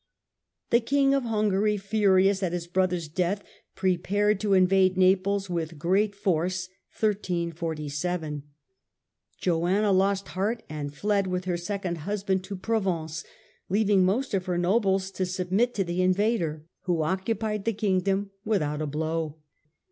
The King of Hungary, furious at his brother's death, invasion of prepared to invade Naples with great force. Joanna lost Lewifof ^ heart and fled with her second husband to Provence, ^47^^^"^' leaving most of her nobles to submit to the invader, who occupied the Kingdom without a blow.